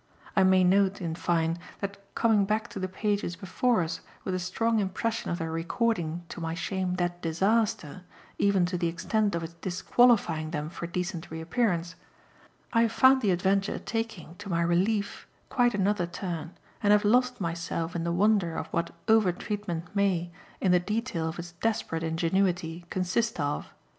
I may note, in fine, that coming back to the pages before us with a strong impression of their recording, to my shame, that disaster, even to the extent of its disqualifying them for decent reappearance, I have found the adventure taking, to my relief, quite another turn, and have lost myself in the wonder of what "over treatment" may, in the detail of its desperate ingenuity, consist of.